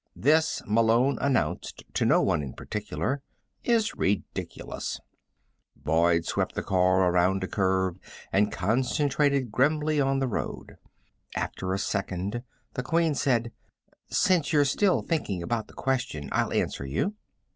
"This," Malone announced to no one in particular, "is ridiculous." Boyd swept the car around a curve and concentrated grimly on the road. After a second the Queen said: "Since you're still thinking about the question, I'll answer you."